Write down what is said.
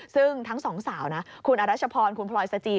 ซึ่งทั้งสองสาวนะคุณอรัชพรคุณพลอยสจี